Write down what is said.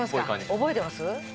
覚えてます？